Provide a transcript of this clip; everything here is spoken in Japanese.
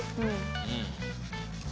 うん。